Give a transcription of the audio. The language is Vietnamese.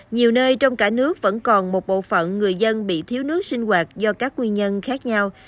nhiều nơi trong cả nước vẫn còn một bộ phận người dân bị thiếu nước sinh hoạt do các nguyên nhân khác nhau